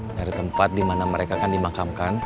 nyari tempat dimana mereka kan dimakamkan